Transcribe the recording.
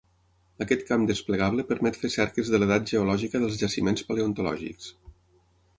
Aquest camp desplegable permet fer cerques de l'edat geològica dels jaciments paleontològics.